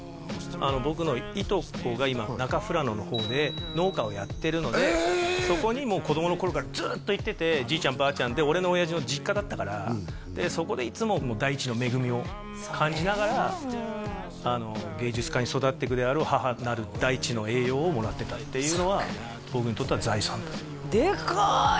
僕のいとこが今中富良野の方で農家をやってるのでそこにもう子供の頃からずっと行っててじいちゃんばあちゃんで俺の親父の実家だったからでそこでいつも大地の恵みを感じながら芸術家に育っていくであろう母なる大地の栄養をもらってたっていうのは僕にとっては財産ですでかい！